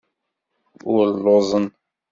Ur lluẓen.